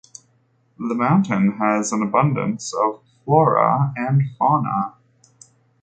The mountain has an abundance of flora and fauna.